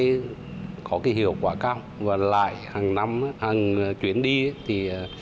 hiện nay có hiệu quả cao và lại hàng năm hàng chuyến đi